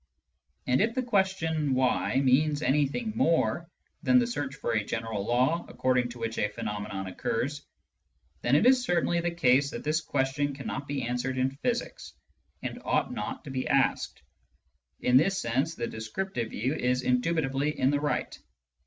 And if the question " why ?" means anything more than the search for a general law according to which a phenomenon occurs, then it is certainly the case that this question cannot be answered in physics and ought not to be asked. In this sense, the descriptive view is indubitably in the right.